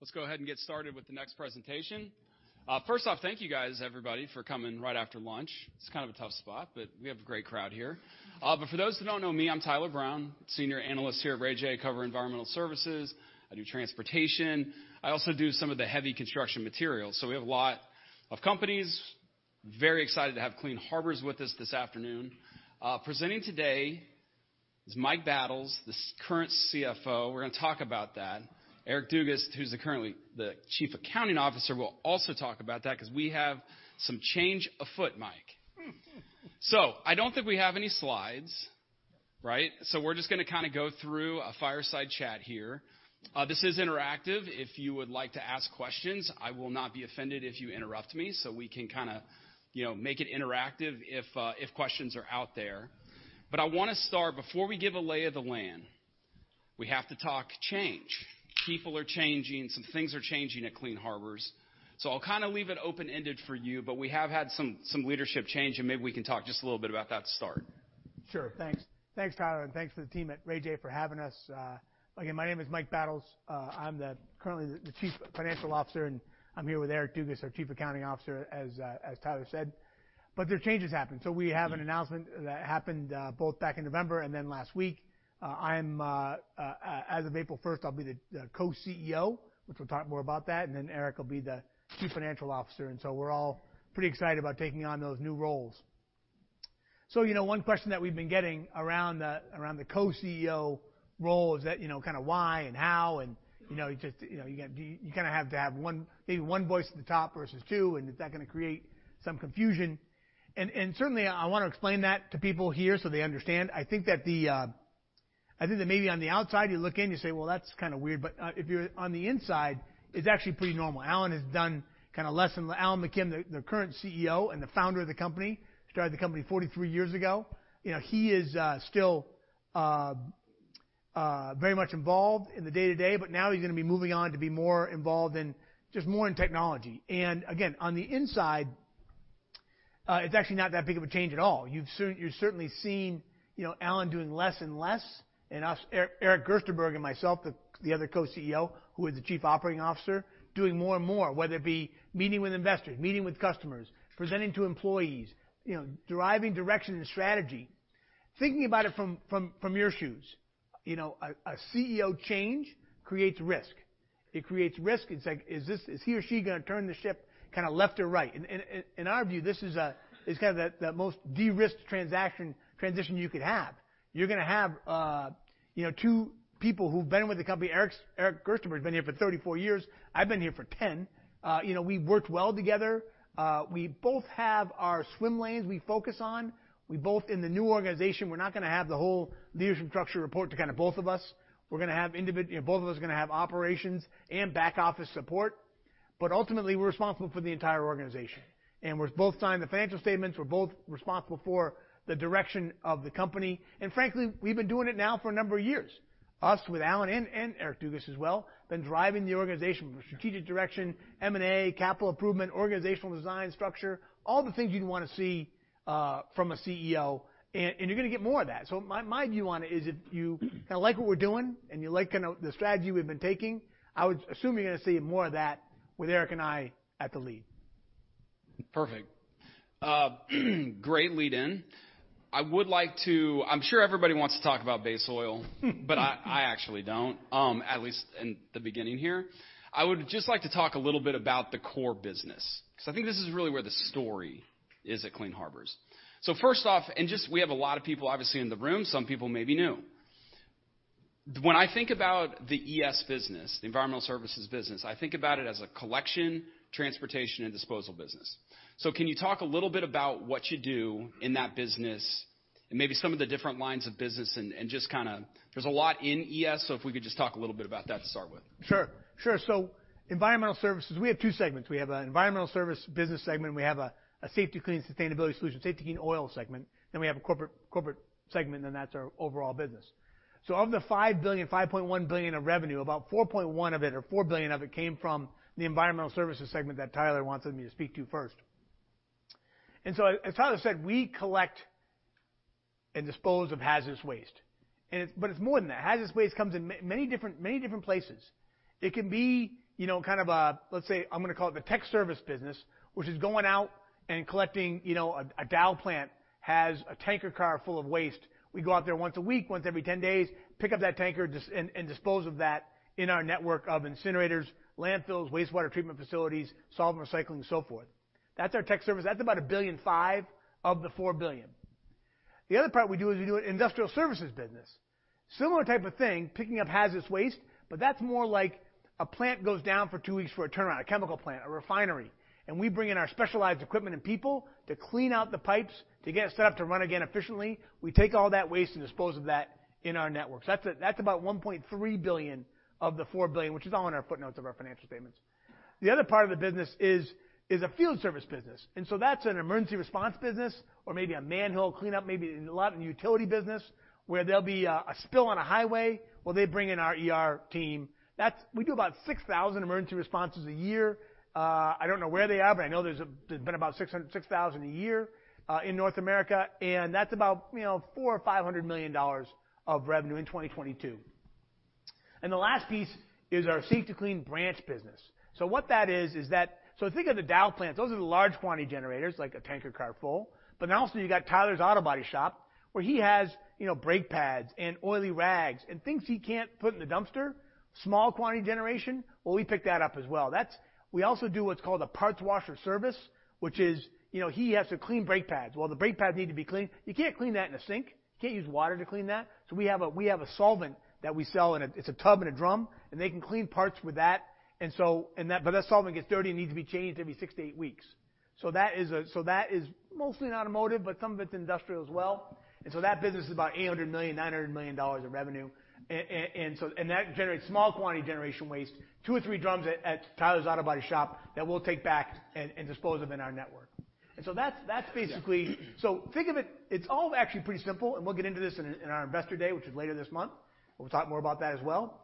Let's go ahead and get started with the next presentation. First off, thank you guys, everybody, for coming right after lunch. It's kind of a tough spot, but we have a great crowd here. But for those who don't know me, I'm Tyler Brown, senior analyst here at Rayjay. I cover environmental services. I do transportation. I also do some of the heavy construction materials. We have a lot of companies. Very excited to have Clean Harbors with us this afternoon. Presenting today is Mike Battles, the current CFO. We're gonna talk about that. Eric Dugas, who's the currently the chief accounting officer. We'll also talk about that 'cause we have some change afoot, Mike. I don't think we have any slides, right? We're just gonna kinda go through a fireside chat here. This is interactive. If you would like to ask questions, I will not be offended if you interrupt me, so we can kinda, you know, make it interactive if questions are out there. I wanna start. Before we give a lay of the land, we have to talk change. People are changing. Some things are changing at Clean Harbors. I'll kinda leave it open-ended for you, but we have had some leadership change, and maybe we can talk just a little bit about that to start. Sure. Thanks. Thanks, Tyler, and thanks to the team at Rayjay for having us. Again, my name is Mike Battles. I'm currently the Chief Financial Officer, and I'm here with Eric Dugas, our Chief Accounting Officer, as Tyler said. The change has happened. We have an announcement that happened both back in November and then last week. As of April first, I'll be the Co-CEO, which we'll talk more about that, and then Eric will be the Chief Financial Officer. We're all pretty excited about taking on those new roles. You know, one question that we've been getting around the co-CEO role is that, you know, kinda why and how and, you know, just, you kinda have to have one, maybe one voice at the top versus two, and is that gonna create some confusion? Certainly I wanna explain that to people here, so they understand. I think that the, maybe on the outside, you look in, you say, "Well, that's kinda weird," but if you're on the inside, it's actually pretty normal. Alan McKim, the current CEO and the founder of the company, started the company 43 years ago. You know, he is still very much involved in the day-to-day, but now he's gonna be moving on to be more involved in just more in technology. On the inside, it's actually not that big of a change at all. You're certainly seen, you know, Alan doing less and less, and us, Eric Gerstenberg and myself, the other Co-CEO, who is the Chief Operating Officer, doing more and more, whether it be meeting with investors, meeting with customers, presenting to employees, you know, deriving direction and strategy. Thinking about it from, from your shoes, you know, a CEO change creates risk. It creates risk. It's like, is he or she gonna turn the ship kinda left or right? In our view, this is kind of the most de-risked transaction transition you could have. You're gonna have, you know, two people who've been with the company. Eric Gerstenberg's been here for 34 years. I've been here for 10. You know, we've worked well together. We both have our swim lanes we focus on. We both, in the new organization, we're not gonna have the whole leadership structure report to kind of both of us. We're gonna have, you know, both of us are gonna have operations and back office support, but ultimately, we're responsible for the entire organization. We're both signing the financial statements. We're both responsible for the direction of the company. Frankly, we've been doing it now for a number of years. Us with Alan and Eric Dugas as well, been driving the organization from a strategic direction, M&A, capital improvement, organizational design, structure, all the things you'd wanna see from a CEO, and you're gonna get more of that. My, my view on it is if you kinda like what we're doing and you like kinda the strategy we've been taking, I would assume you're gonna see more of that with Eric and I at the lead. Perfect. great lead in. I would like to. I'm sure everybody wants to talk about base oil. I actually don't, at least in the beginning here. I would just like to talk a little bit about the core business, because I think this is really where the story is at Clean Harbors. First off, and just we have a lot of people, obviously, in the room, some people may be new. When I think about the ES business, Environmental Services business, I think about it as a collection, transportation, and disposal business. Can you talk a little bit about what you do in that business and maybe some of the different lines of business and just kinda There's a lot in ES, so if we could just talk a little bit about that to start with. Sure. Sure. Environmental Services, we have two segments. We have an Environmental Services business segment. We have a Safety-Kleen Sustainability Solutions, Safety-Kleen Oil segment. We have a Corporate segment, and that's our overall business. Of the $5 billion, $5.1 billion of revenue, about $4.1 billion of it or $4 billion of it came from the Environmental Services segment that Tyler wanted me to speak to first. As Tyler said, we collect and dispose of hazardous waste, but it's more than that. Hazardous waste comes in many different places. It can be, you know, kind of a, let's say, I'm gonna call it the Technical Services business, which is going out and collecting, you know, a Dow plant has a tanker car full of waste. We go out there once a week, once every 10 days, pick up that tanker and dispose of that in our network of incinerators, landfills, wastewater treatment facilities, solvent recycling, and so forth. That's our Technical Services. That's about $1.5 billion of the $4 billion. The other part we do is we do an Industrial Services business. Similar type of thing, picking up hazardous waste, but that's more like a plant goes down for two weeks for a turnaround, a chemical plant, a refinery. We bring in our specialized equipment and people to clean out the pipes, to get it set up to run again efficiently. We take all that waste and dispose of that in our networks. That's about $1.3 billion of the $4 billion, which is all in our footnotes of our financial statements. The other part of the business is a Field Services business, that's an emergency response business or maybe a manhole cleanup, maybe in a lot of utility business, where there'll be a spill on a highway, well, they bring in our ER team. We do about 6,000 emergency responses a year. I don't know where they are, but I know there's been about 6,000 a year in North America, that's about, you know, $400 million-$500 million of revenue in 2022. The last piece is our Safety-Kleen branch business. What that is, think of the Dow plants. Those are the large quantity generators, like a tanker car full. You've got Tyler's Auto Body Shop, where he has, you know, brake pads and oily rags and things he can't put in the dumpster, small quantity generation. We pick that up as well. We also do what's called a parts washer service, which is, you know, he has to clean brake pads. The brake pads need to be cleaned. You can't clean that in a sink. You can't use water to clean that. We have a solvent that we sell in a tub and a drum, and they can clean parts with that. That solvent gets dirty and needs to be changed every 6-8 weeks. That is mostly in automotive, but some of it's industrial as well. That business is about $800 million-$900 million of revenue. That generates small quantity generation waste, two or three drums at Tyler's Auto Body Shop that we'll take back and dispose of in our network. That's basically. Think of it. It's all actually pretty simple, and we'll get into this in our investor day, which is later this month. We'll talk more about that as well.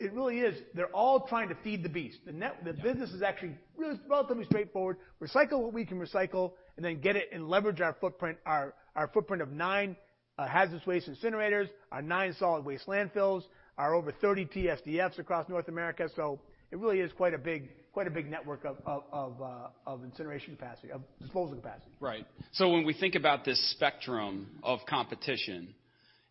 It really is. They're all trying to feed the beast. Yeah. The business is actually really relatively straightforward. Recycle what we can recycle and then get it and leverage our footprint, our footprint of nine hazardous waste incinerators, our nine solid waste landfills, our over 30 TSDFs across North America. It really is quite a big network of incineration capacity, of disposal capacity. Right. When we think about this spectrum of competition,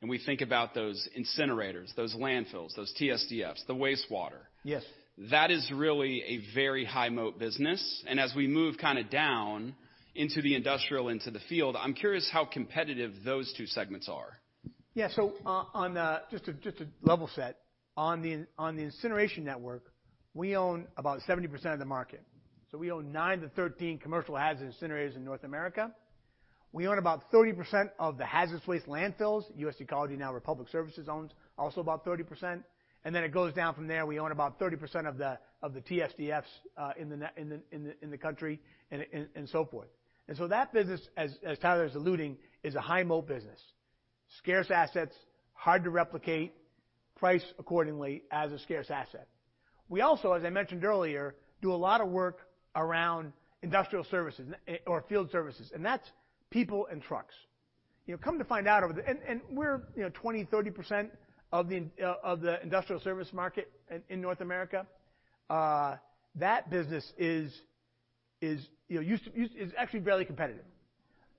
and we think about those incinerators, those landfills, those TSDFs, the wastewater. Yes. that is really a very high moat business. As we move kinda down into the industrial, into the Field, I'm curious how competitive those two segments are. Just to level set, on the incineration network, we own about 70% of the market. We own 9-13 commercial hazard incinerators in North America. We own about 30% of the hazardous waste landfills. U.S. Ecology now Republic Services owns also about 30%. Then it goes down from there. We own about 30% of the TSDFs in the country and so forth. That business, as Tyler's alluding, is a high moat business. Scarce assets, hard to replicate, priced accordingly as a scarce asset. We also, as I mentioned earlier, do a lot of work around Industrial Services or Field Services, and that's people and trucks. You know, come to find out over the We're, you know, 20%, 30% of the Industrial Services market in North America. That business is, you know, actually fairly competitive.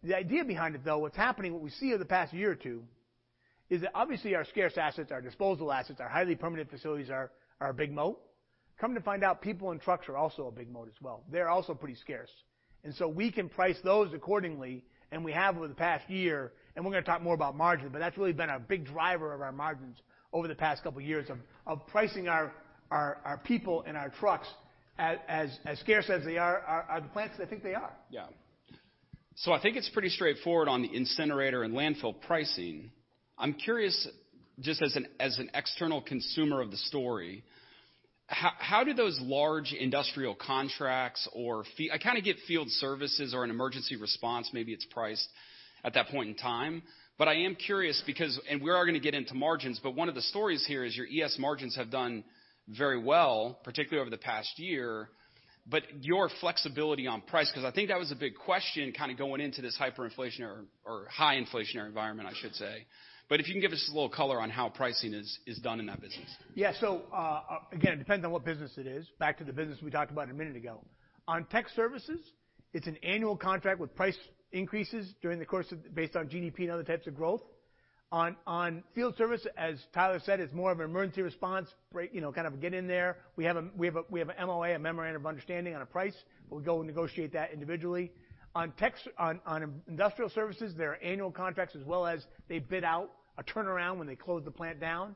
The idea behind it, though, what's happening, what we see over the past year or two, is that obviously our scarce assets, our disposal assets, our highly permitted facilities are a big moat. Come to find out, people and trucks are also a big moat as well. They're also pretty scarce. So we can price those accordingly, and we have over the past year, and we're gonna talk more about margin, but that's really been a big driver of our margins over the past couple of years of pricing our people and our trucks as scarce as they are, the plants I think they are. I think it's pretty straightforward on the incinerator and landfill pricing. I'm curious just as an external consumer of the story, how do those large industrial contracts or I kinda get Field Services or an emergency response, maybe it's priced at that point in time. I am curious because we are gonna get into margins, but one of the stories here is your ES margins have done very well, particularly over the past year. Your flexibility on price, 'cause I think that was a big question kinda going into this hyperinflationary or high inflationary environment, I should say. If you can give us a little color on how pricing is done in that business. Yeah. Again, it depends on what business it is. Back to the business we talked about a minute ago. On Technical Services, it's an annual contract with price increases based on GDP and other types of growth. On Field Services, as Tyler said, it's more of an emergency response, you know, kind of get in there. We have an MOA, a memorandum of understanding on a price. We'll go and negotiate that individually. On Industrial Services, there are annual contracts as well as they bid out a turnaround when they close the plant down.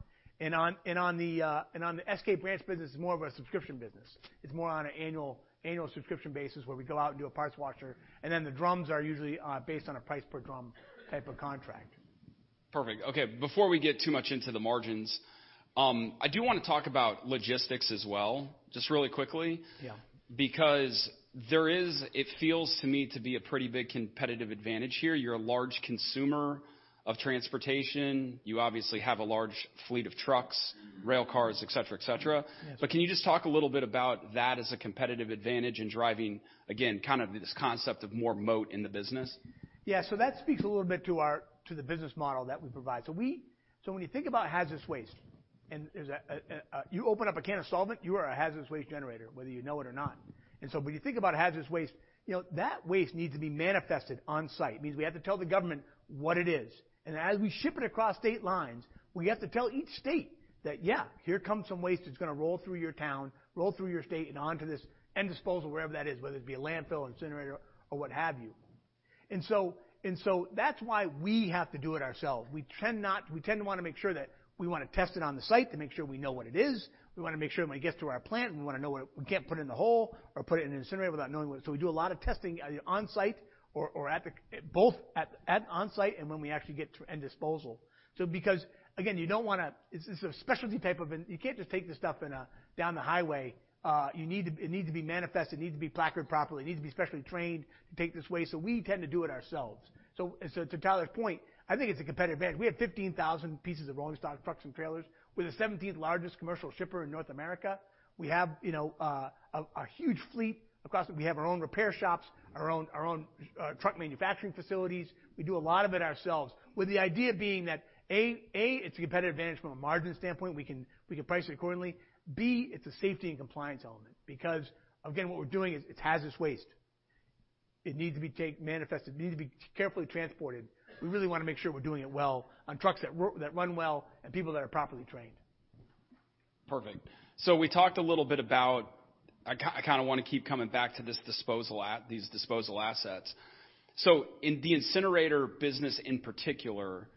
On the SK branch business, it's more of a subscription business. It's more on an annual subscription basis where we go out and do a parts washer, and then the drums are usually based on a price per drum type of contract. Perfect. Okay. Before we get too much into the margins, I do wanna talk about logistics as well, just really quickly. Yeah. It feels to me to be a pretty big competitive advantage here. You're a large consumer of transportation. You obviously have a large fleet of trucks, rail cars, et cetera, et cetera. Yes. Can you just talk a little bit about that as a competitive advantage in driving, again, kind of this concept of more moat in the business? Yeah. That speaks a little bit to our to the business model that we provide. When you think about hazardous waste, and there's a, You open up a can of solvent, you are a hazardous waste generator, whether you know it or not. When you think about hazardous waste, you know, that waste needs to be manifested on-site. It means we have to tell the government what it is. As we ship it across state lines, we have to tell each state that, "Yeah, here comes some waste that's gonna roll through your town, roll through your state, and onto this end disposal," wherever that is, whether it be a landfill, incinerator, or what have you. So that's why we have to do it ourselves. We tend to wanna make sure that we wanna test it on the site to make sure we know what it is. We wanna make sure when it gets to our plant, we wanna know we can't put it in the hole or put it in an incinerator without knowing what. We do a lot of testing either on-site or both at on-site and when we actually get to end disposal. Because, again, you don't wanna. It's a specialty type of an. You can't just take this stuff down the highway. It needs to be manifested, it needs to be placarded properly, it needs to be specially trained to take this waste. We tend to do it ourselves. To Tyler's point, I think it's a competitive advantage. We have 15,000 pieces of rolling stock trucks and trailers. We're the 17th largest commercial shipper in North America. We have, you know, a huge fleet across the We have our own repair shops, our own truck manufacturing facilities. We do a lot of it ourselves with the idea being that, A, it's a competitive advantage from a margin standpoint. We can price it accordingly. B, it's a safety and compliance element because, again, what we're doing is, it's hazardous waste. It needs to be manifested, it needs to be carefully transported. We really wanna make sure we're doing it well on trucks that run well and people that are properly trained. Perfect. We talked a little bit about I kinda wanna keep coming back to these disposal assets. In the incinerator business in particular,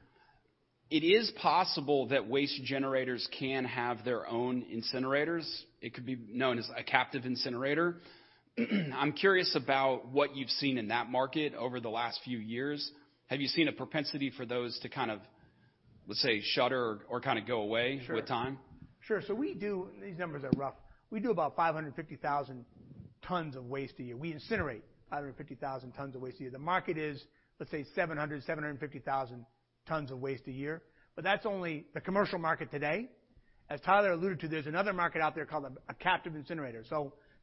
it is possible that waste generators can have their own incinerators. It could be known as a captive incinerator. I'm curious about what you've seen in that market over the last few years. Have you seen a propensity for those to kind of, let's say, shutter or kinda go away? Sure. with time? Sure. These numbers are rough. We do about 550,000 tons of waste a year. We incinerate 550,000 tons of waste a year. The market is, let's say, 700,000-750,000 tons of waste a year. That's only the commercial market today. As Tyler alluded to, there's another market out there called a captive incinerator.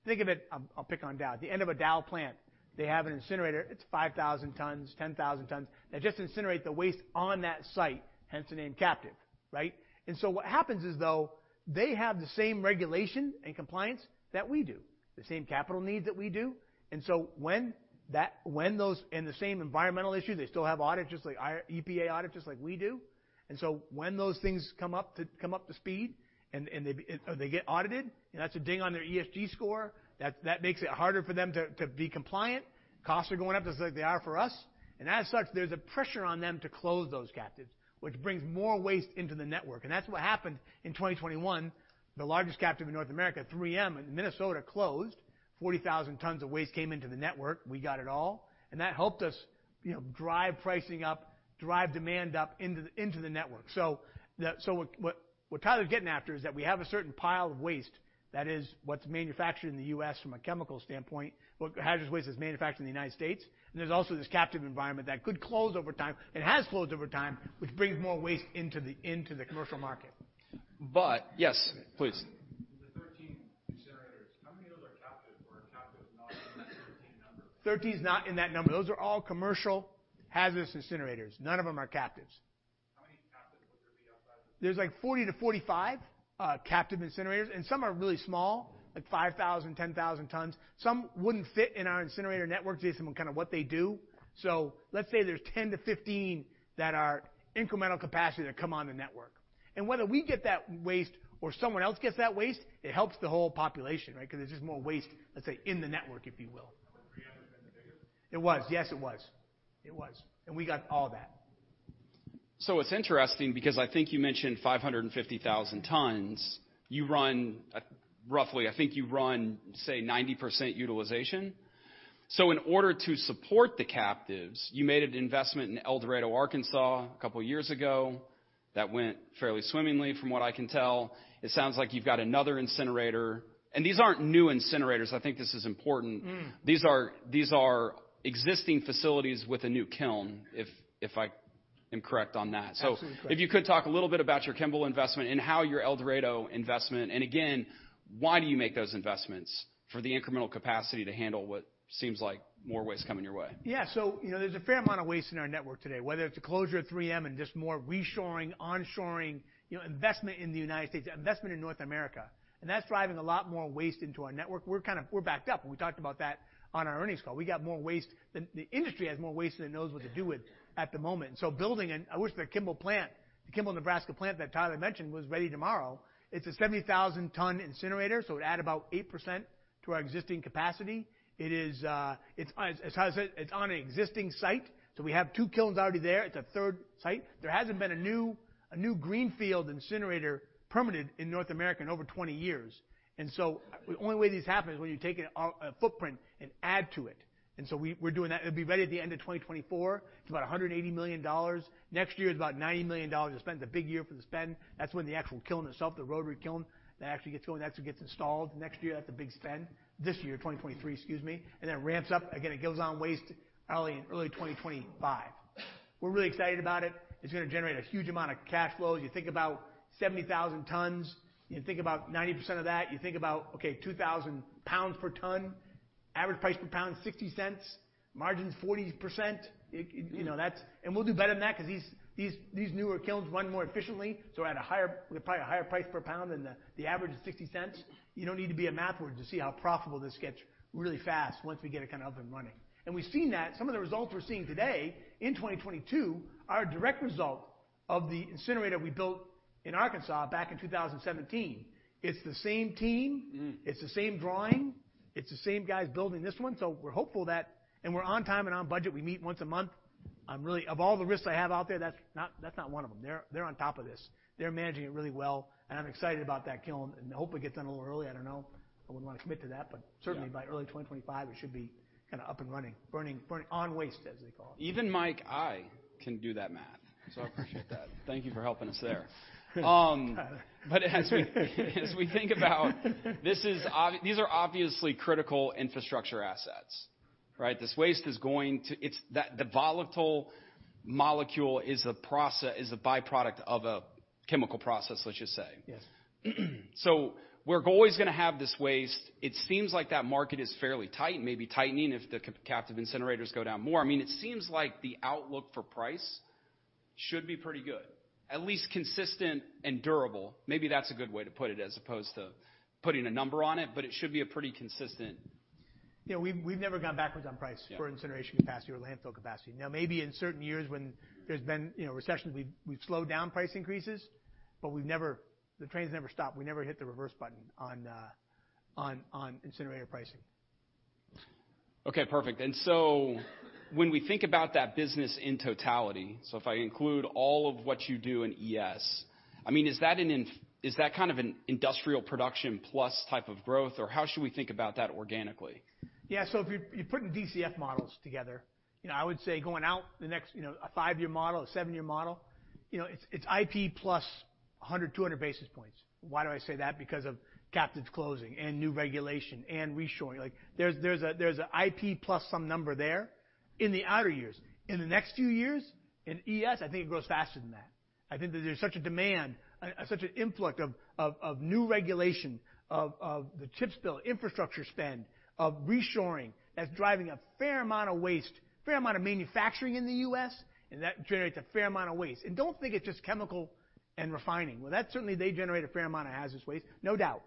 Think of it, I'll pick on Dow. The end of a Dow plant, they have an incinerator, it's 5,000 tons, 10,000 tons, that just incinerate the waste on that site, hence the name captive, right? What happens is, though, they have the same regulation and compliance that we do, the same capital needs that we do. When those The same environmental issues, they still have auditors like our EPA auditors like we do. When those things come up to speed, and they get audited, and that's a ding on their ESG score, that makes it harder for them to be compliant. Costs are going up just like they are for us. As such, there's a pressure on them to close those captives, which brings more waste into the network. That's what happened in 2021, the largest captive in North America, 3M in Minnesota closed, 40,000 tons of waste came into the network. We got it all. That helped us, you know, drive pricing up, drive demand up into the network. What Tyler's getting after is that we have a certain pile of waste that is what's manufactured in the U.S. from a chemical standpoint. Hazardous waste is manufactured in the United States. There's also this captive environment that could close over time. It has closed over time, which brings more waste into the commercial market. Yes, please. The 13 incinerators, how many of those are captive or are captive not in that 13 number? 13 is not in that number. Those are all commercial hazardous incinerators. None of them are captives. How many captives would there be outside of? There's like 40-45, captive incinerators, some are really small, like 5,000, 10,000 tons. Some wouldn't fit in our incinerator network based on kinda what they do. Let's say there's 10-15 that are incremental capacity that come on the network. Whether we get that waste or someone else gets that waste, it helps the whole population, right? 'Cause there's just more waste, let's say, in the network, if you will. Would 3M have been the biggest? It was. Yes, it was. It was. We got all that. It's interesting because I think you mentioned 550,000 tons. You run, roughly, I think you run, say, 90% utilization. In order to support thecaptives, you made an investment in El Dorado, Arkansas a couple years ago that went fairly swimmingly, from what I can tell. It sounds like you've got another incinerator. These aren't new incinerators. I think this is important. Mm. These are existing facilities with a new kiln if I am correct on that? Absolutely. If you could talk a little bit about your Kimball investment and how your El Dorado investment again, why do you make those investments for the incremental capacity to handle what seems like more waste coming your way? Yeah. You know, there's a fair amount of waste in our network today, whether it's the closure of 3M and just more reshoring, onshoring, you know, investment in the United States, investment in North America, and that's driving a lot more waste into our network. We're backed up, and we talked about that on our earnings call. We got more waste than The industry has more waste than it knows what to do with at the moment. I wish the Kimball plant, the Kimball Nebraska plant that Tyler mentioned, was ready tomorrow. It's a 70,000 ton incinerator, so it'd add about 8% to our existing capacity. It is, it's, as I said, it's on an existing site, so we have two kilns already there. It's a third site. There hasn't been a new greenfield incinerator permitted in North America in over 20 years. The only way this happens is when you're taking a footprint and add to it. We're doing that. It'll be ready at the end of 2024. It's about $180 million. Next year is about $90 million to spend, the big year for the spend. That's when the actual kiln itself, the rotary kiln, that actually gets going. That's what gets installed next year. That's a big spend. This year, 2023, excuse me. Then it ramps up. Again, it goes on waste early in early 2025. We're really excited about it. It's gonna generate a huge amount of cash flows. You think about 70,000 tons, you think about 90% of that, you think about, okay, 2,000 pounds per ton. Average price per pound, $0.60. Margin's 40%. It You know, that's We'll do better than that 'cause these newer kilns run more efficiently, so we're at a higher, probably a higher price per pound than the average of $0.60. You don't need to be a math whiz to see how profitable this gets really fast once we get it kinda up and running. We've seen that. Some of the results we're seeing today in 2022 are a direct result of the incinerator we built in Arkansas back in 2017. It's the same team. Mm. It's the same drawing. It's the same guys building this one. We're hopeful that. We're on time and on budget. We meet once a month. Of all the risks I have out there, that's not one of them. They're on top of this. They're managing it really well, and I'm excited about that kiln and hope it gets done a little early. I don't know. I wouldn't wanna commit to that. Yeah. certainly by early 2025, it should be kinda up and running, burning on waste, as they call it. Even, Mike, I can do that math. I appreciate that. Thank you for helping us there. As we think about, these are obviously critical infrastructure assets, right? This waste is going to It's That The volatile molecule is a byproduct of a chemical process, let's just say. Yes. We're always going to have this waste. It seems like that market is fairly tight, maybe tightening if the captive incinerators go down more. I mean, it seems like the outlook for price should be pretty good, at least consistent and durable. Maybe that's a good way to put it as opposed to putting a number on it, but it should be a pretty consistent. Yeah. We've never gone backwards on price. Yeah. For incineration capacity or landfill capacity. Now, maybe in certain years when there's been, you know, recessions, we've slowed down price increases, but we've never. The train's never stopped. We never hit the reverse button on incinerator pricing. Okay, perfect. When we think about that business in totality, so if I include all of what you do in ES, I mean, is that kind of an industrial production plus type of growth, or how should we think about that organically? If you're putting DCF models together, you know, I would say going out the next, you know, a five-year model, a seven-year model, you know, it's IP plus 100, 200 basis points. Why do I say that? Because of captives closing and new regulation and reshoring. Like, there's a, there's an IP plus some number there in the outer years. In the next few years, in ES, I think it grows faster than that. I think that there's such a demand, such an influx of new regulation of the Chips bill, infrastructure spend, of reshoring that's driving a fair amount of waste, fair amount of manufacturing in the US, and that generates a fair amount of waste. Don't think it's just chemical and refining. Well, they generate a fair amount of hazardous waste, no doubt.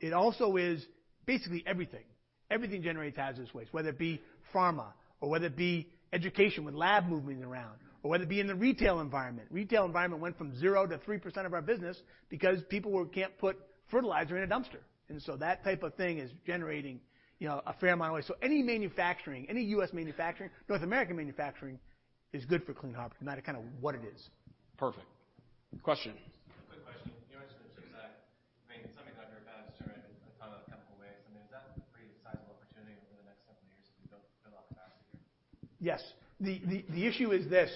It also is basically everything. Everything generates hazardous waste, whether it be pharma or whether it be education with lab movement around, or whether it be in the retail environment. Retail environment went from 0% to 3% of our business because people can't put fertilizer in a dumpster. That type of thing is generating, you know, a fair amount of waste. Any manufacturing, any U.S. manufacturing, North American manufacturing is good for Clean Harbors, no matter kind of what it is. Perfect. Question. Quick question. You mentioned the chip side. I mean, something under a bachelor and a ton of chemical waste. I mean, is that a pretty sizable opportunity over the next several years to build out capacity here? Yes. The issue is this,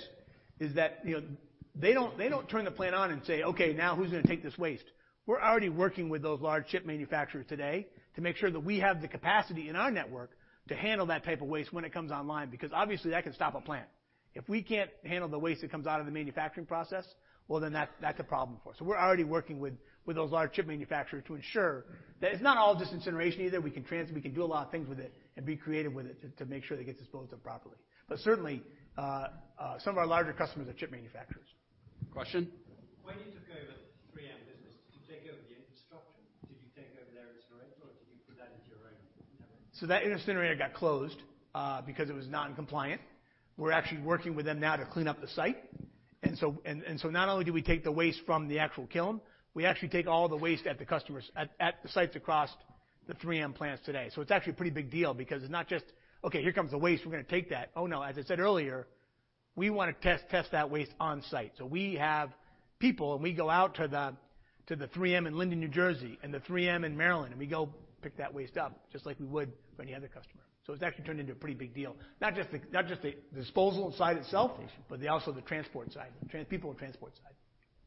is that, you know, they don't turn the plant on and say, "Okay, now who's gonna take this waste?" We're already working with those large chip manufacturers today to make sure that we have the capacity in our network to handle that type of waste when it comes online, because obviously that can stop a plant. If we can't handle the waste that comes out of the manufacturing process, well, then that's a problem for us. We're already working with those large chip manufacturers to ensure that it's not all just incineration either. We can do a lot of things with it and be creative with it to make sure it gets disposed of properly. Certainly, some of our larger customers are chip manufacturers. Question? When you took over the 3M business, did you take over the infrastructure? Did you take over their incinerator, or did you put that into your own? That incinerator got closed because it was non-compliant. We're actually working with them now to clean up the site. Not only do we take the waste from the actual kiln, we actually take all the waste at the customers, at the sites across the 3M plants today. It's actually a pretty big deal because it's not just, okay, here comes the waste, we're gonna take that. Oh, no. As I said earlier, we wanna test that waste on-site. We have people, and we go out to the 3M in Linden, New Jersey, and the 3M in Maryland, and we go pick that waste up, just like we would for any other customer. It's actually turned into a pretty big deal. Not just the disposal side itself, but also the transport side, people and transport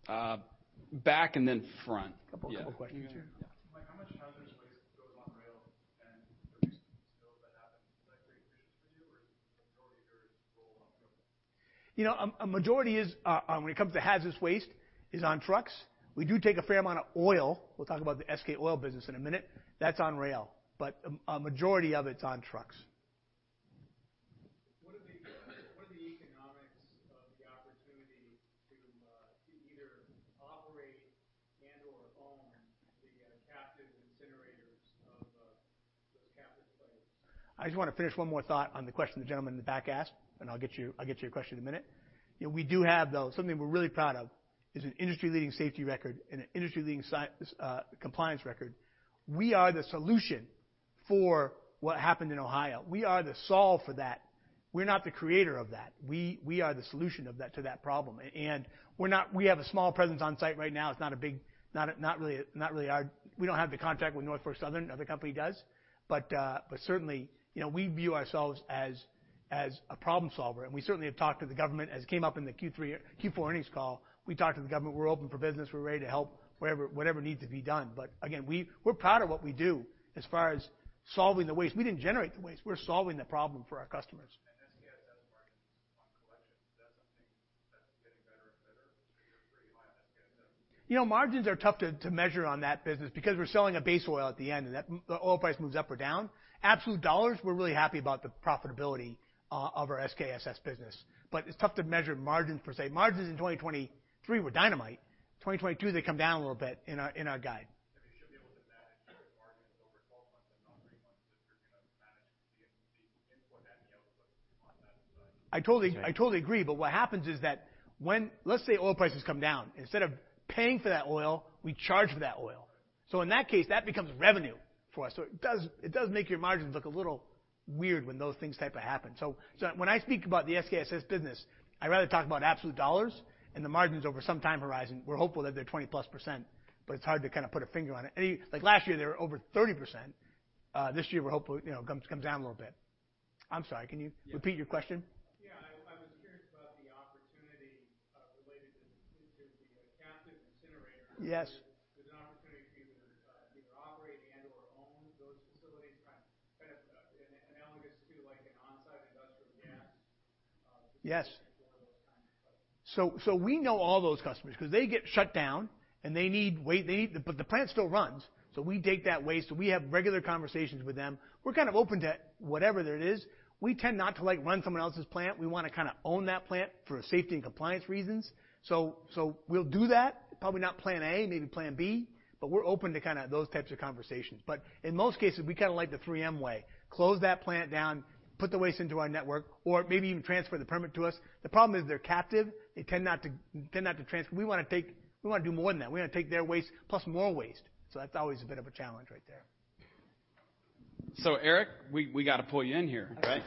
side. back and then front. Couple of questions here. Yeah. Mike, how much hazardous waste goes on rail, and are there skills that happen that are very efficient for you or is the majority of yours roll on trucks? You know, a majority is, when it comes to hazardous waste, is on trucks. We do take a fair amount of oil. We'll talk about the SK oil business in a minute. That's on rail. A majority of it's on trucks. What are the economics of the opportunity to to either operate and/or own the captive incinerators of those captive players? I just wanna finish one more thought on the question the gentleman in the back asked. I'll get to your question in a minute. You know, we do have, though, something we're really proud of is an industry-leading safety record and an industry-leading compliance record. We are the solution for what happened in Ohio. We are the solve for that. We're not the creator of that. We are the solution of that, to that problem. We have a small presence on site right now. We don't have the contract with Norfolk Southern. Another company does. Certainly, you know, we view ourselves as a problem solver, and we certainly have talked to the government. As it came up in the Q4 earnings call, we talked to the government. We're open for business. We're ready to help wherever, whatever needs to be done. Again, we're proud of what we do as far as solving the waste. We didn't generate the waste. We're solving the problem for our customers. SKSS margins on collection, is that something that's getting better and better for you, for your client, SKSS? You know, margins are tough to measure on that business because we're selling a base oil at the end, and that the oil price moves up or down. Absolute dollars, we're really happy about the profitability of our SKSS business, but it's tough to measure margins per se. Margins in 2023 were dynamite. 2022, they come down a little bit in our, in our guide. You should be able to manage those margins over 12 months and not 3 months if you're gonna manage the input and the output on that side. I totally agree. What happens is that let's say oil prices come down. Instead of paying for that oil, we charge for that oil. In that case, that becomes revenue for us. It does make your margins look a little weird when those things type of happen. When I speak about the SKSS business, I'd rather talk about absolute dollars and the margins over some time horizon. We're hopeful that they're +20%, but it's hard to kinda put a finger on it. Like, last year, they were over 30%. This year, we're hopeful, you know, it comes down a little bit. I'm sorry, can you repeat your question? Yeah. I was curious about the opportunity related to the captive incinerator. Yes. There's an opportunity to either operate and/or. Yes. We know all those customers 'cause they get shut down and they need waste. The plant still runs, so we take that waste. We have regular conversations with them. We're kind of open to whatever that it is. We tend not to, like, run someone else's plant. We wanna kinda own that plant for safety and compliance reasons. We'll do that. Probably not plan A, maybe plan B, but we're open to kinda those types of conversations. In most cases, we kinda like the 3M way. Close that plant down, put the waste into our network, or maybe even transfer the permit to us. The problem is they're captive. They tend not to. We wanna do more than that. We wanna take their waste plus more waste, so that's always a bit of a challenge right there. Eric, we gotta pull you in here, right?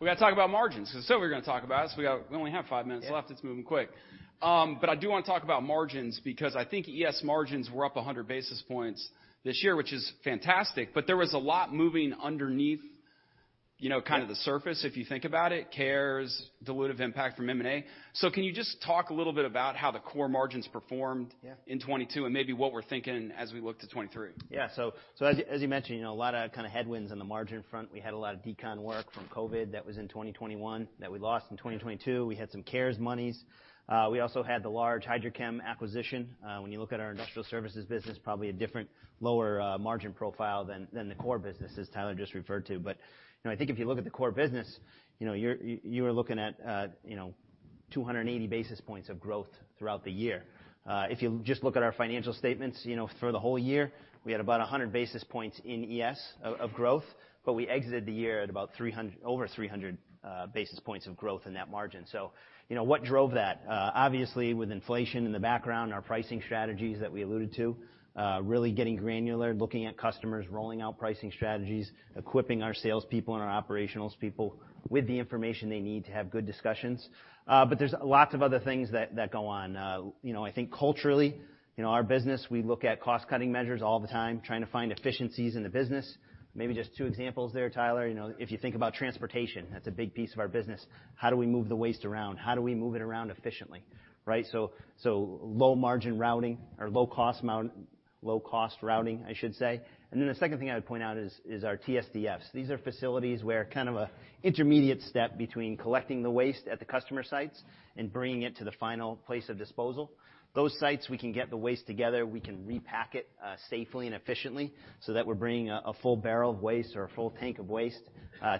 We gotta talk about margins 'cause that's what we're gonna talk about. We only have five minutes left. Yeah. Let's move them quick. I do wanna talk about margins because I think ES margins were up 100 basis points this year, which is fantastic, but there was a lot moving underneath, you know, kind of the surface if you think about it, CARES, dilutive impact from M&A. Can you just talk a little bit about how the core margins performed? Yeah. In 2022, and maybe what we're thinking as we look to 2023? Yeah. As you mentioned, you know, a lot of kinda headwinds in the margin front. We had a lot of decon work from COVID that was in 2021 that we lost in 2022. We had some CARES monies. We also had the large HydroChem acquisition. When you look at our Industrial Services business, probably a different lower margin profile than the core business, as Tyler just referred to. You know, I think if you look at the core business, you know, you're looking at, you know, 280 basis points of growth throughout the year. If you just look at our financial statements, you know, for the whole year, we had about 100 basis points in ES of growth, but we exited the year at about over 300 basis points of growth in that margin. You know, what drove that? Obviously, with inflation in the background, our pricing strategies that we alluded to, really getting granular, looking at customers, rolling out pricing strategies, equipping our salespeople and our operationals people with the information they need to have good discussions. But there's lots of other things that go on. You know, I think culturally, in our business, we look at cost-cutting measures all the time, trying to find efficiencies in the business. Maybe just two examples there, Tyler, you know. If you think about transportation, that's a big piece of our business. How do we move the waste around? How do we move it around efficiently, right? low margin routing or low cost routing, I should say. The second thing I would point out is our TSDFs. These are facilities where kind of a intermediate step between collecting the waste at the customer sites and bringing it to the final place of disposal. Those sites, we can get the waste together, we can repack it safely and efficiently, so that we're bringing a full barrel of waste or a full tank of waste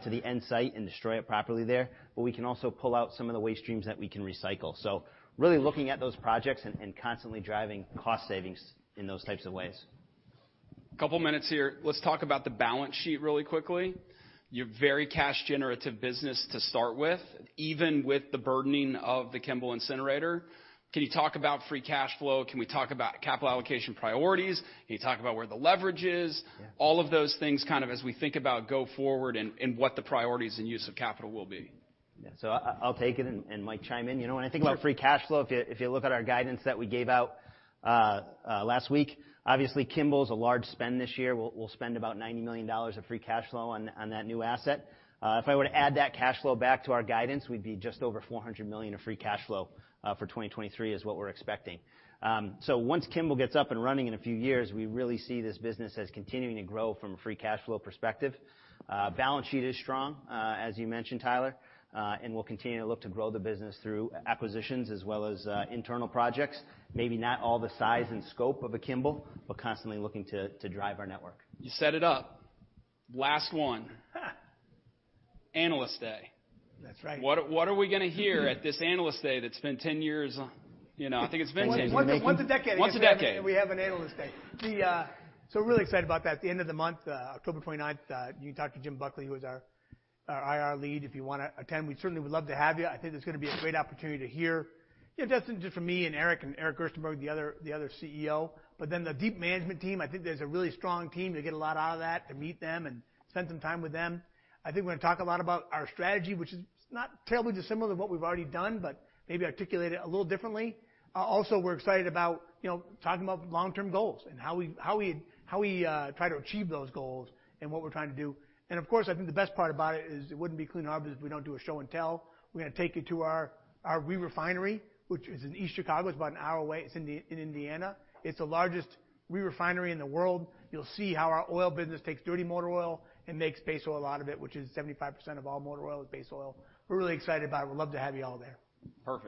to the end site and destroy it properly there. We can also pull out some of the waste streams that we can recycle. Really looking at those projects and constantly driving cost savings in those types of ways. Couple minutes here. Let's talk about the balance sheet really quickly. You're a very cash-generative business to start with, even with the burdening of the Kimball Incinerator. Can you talk about free cash flow? Can we talk about capital allocation priorities? Can you talk about where the leverage is? Yeah. All of those things kindof as we think about go forward and what the priorities and use of capital will be. Yeah. I'll take it and Mike chime in, you know. Sure. When I think about free cash flow, if you look at our guidance that we gave out last week, obviously Kimball is a large spend this year. We'll spend about $90 million of free cash flow on that new asset. If I were to add that cash flow back to our guidance, we'd be just over $400 million of free cash flow for 2023 is what we're expecting. Once Kimball gets up and running in a few years, we really see this business as continuing to grow from a free cash flow perspective. Balance sheet is strong, as you mentioned, Tyler. We'll continue to look to grow the business through acquisitions as well as internal projects. Maybe not all the size and scope of a Kimball, but constantly looking to drive our network. You set it up. Last one. Ha. Analyst Day. That's right. What are we gonna hear at this Analyst Day that's been 10 years, you know, I think it's been 10 years? Once a decade. Once a decade. We have an Analyst Day. We're really excited about that. At the end of the month, 29th October you can talk to Jim Buckley, who is our IR lead, if you wanna attend. We certainly would love to have you. I think it's gonna be a great opportunity to hear, you know, not just from me and Eric, and Eric Gerstenberg, the other CEO, but then the deep management team. I think there's a really strong team. You'll get a lot out of that, to meet them and spend some time with them. I think we're gonna talk a lot about our strategy, which is not terribly dissimilar to what we've already done, but maybe articulate it a little differently. Also, we're excited about, you know, talking about long-term goals and how we try to achieve those goals and what we're trying to do. Of course, I think the best part about it is it wouldn't be Clean Harbors if we don't do a show and tell. We're gonna take you to our re-refinery, which is in East Chicago. It's about an hour away. It's in Indiana. It's the largest re-refinery in the world. You'll see how our oil business takes dirty motor oil and makes base oil out of it, which is 75% of all motor oil is base oil. We're really excited about it. We'd love to have you all there. Perfect.